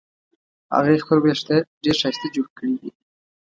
هغې خپل وېښته ډېر ښایسته جوړ کړې دي